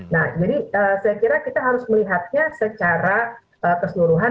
nah jadi saya kira kita harus melihatnya secara keseluruhan